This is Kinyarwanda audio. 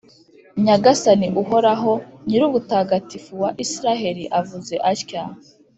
Nyagasani Uhoraho, Nyirubutagatifu wa Israheli avuze atya :